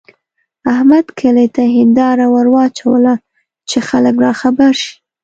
احمد کلي ته هېنداره ور واچوله چې خلګ راخبر شي.